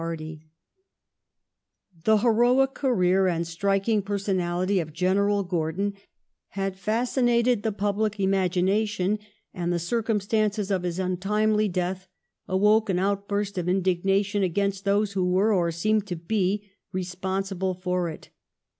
THE TWO SPHINXES, IRELAND AND EGYPT 349 The heroic career and striking personality of General Gordon had fascinated the public imagi nation, and the circumstances of his untimely death awoke an outburst of indignation against those who were or seemed to be responsible for it.